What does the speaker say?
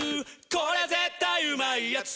これ絶対うまいやつ」